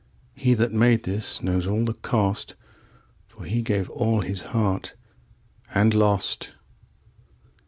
13He that made this knows all the cost,14For he gave all his heart and lost.